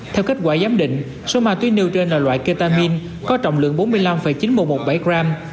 theo kết quả giám định số ma túy nêu trên là loại ketamine có trọng lượng bốn mươi năm chín nghìn một trăm một mươi bảy gram